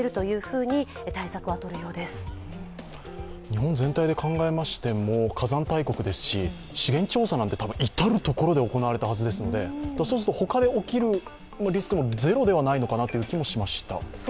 日本全体で考えましても火山大国ですし、資源調査なんて至る所で行われたはずですので、そうすると他で起きるリスクもゼロではないのかなという気もしました。